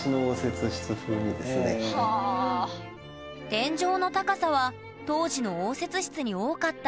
天井の高さは当時の応接室に多かった